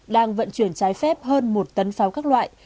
đang vận chuyển trái phép hơn một tấn pháo các loại